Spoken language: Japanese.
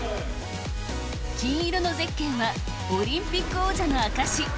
金色のゼッケンはオリンピック王者の証。